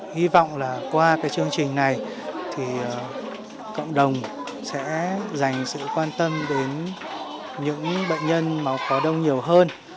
hy vọng là qua cái chương trình này thì cộng đồng sẽ dành sự quan tâm đến những bệnh nhân máu khó đông nhiều hơn